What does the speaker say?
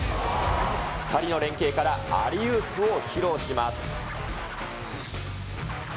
２人の連係からアリウープを披露します。